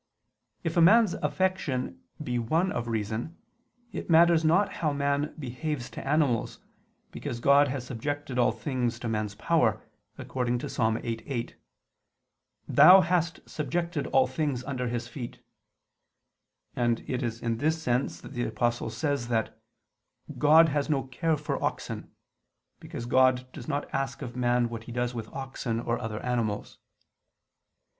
If a man's affection be one of reason, it matters not how man behaves to animals, because God has subjected all things to man's power, according to Ps. 8:8: "Thou hast subjected all things under his feet": and it is in this sense that the Apostle says that "God has no care for oxen"; because God does not ask of man what he does with oxen or other animals.